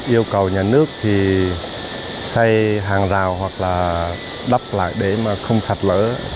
yêu cầu nhà nước thì xây hàng rào hoặc là đắp lại để mà không sạt lở